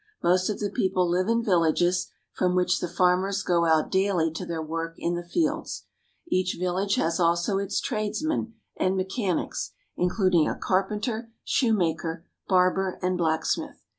Most of the people live in vil lages, from which the farmers go out daily to their work in the fields. Each village has also its trades men and mechanics, including a carpenter, shoemaker, barber, and blacksmith.